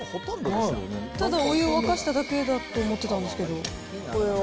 ただお湯を沸かしただけだと思ってたんですけど。